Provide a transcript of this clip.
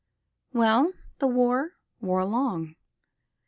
Well, the war wore along.